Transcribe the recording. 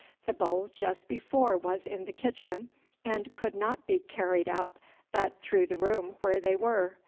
The bowl just before was in the kitchen, and could not be carried up but through the room where they were.